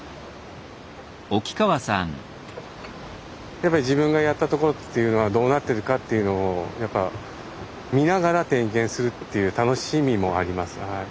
やっぱり自分がやった所っていうのはどうなってるかっていうのをやっぱ見ながら点検するっていう楽しみもあります。